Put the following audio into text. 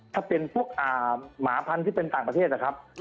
ถ้าเป็นพวกหมาพันธุ์ที่เป็นต่างประเทศนะครับ